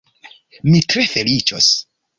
Mi tre feliĉos.